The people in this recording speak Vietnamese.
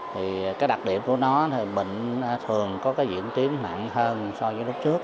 thì đặc điểm của nó là bệnh thường có diễn tiến nặng hơn so với lúc trước